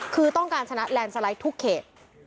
คือต้องการชนะแลนด์สไลด์ทุกเขต